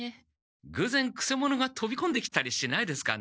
ぐうぜんくせ者がとびこんできたりしないですかね？